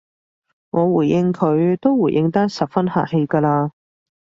我回應佢都回應得十分客氣㗎喇